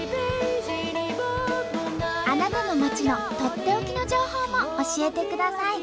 あなたの町のとっておきの情報も教えてください。